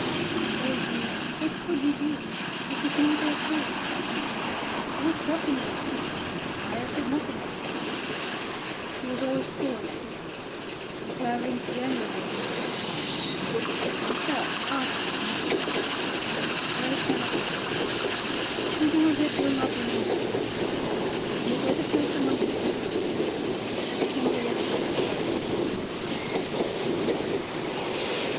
"Oh, Hugh; what could we do? It was not our fault." "Who is talking of any fault? I have said nothing as to fault. He was always poor and sickly. The Claverings, generally, have been so strong. Look at myself, and Archie, and my sisters. Well, it cannot be helped. Thinking of it will not bring him back again. You had better tell some one to get me something to eat. I came away, of course, without any dinner."